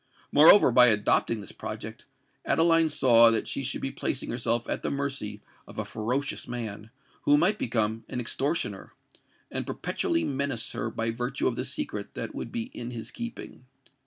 Moreover, by adopting this project, Adeline saw that she should be placing herself at the mercy of a ferocious man, who might become an extortioner, and perpetually menace her by virtue of the secret that would be in his keeping.